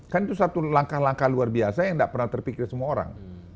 kan itu satu langkah langkah luar biasa yang tidak pernah terpikir semua orang